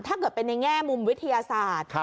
ถ้าเกิดเป็นในแง่มุมวิทยาศาสตร์